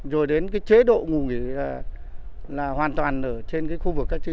rồi đến chế độ ngủ nghỉ là hoàn toàn ở trên khu vực cách ly